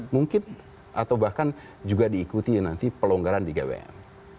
mungkin atau bahkan juga diikuti nanti pelonggaran di gwm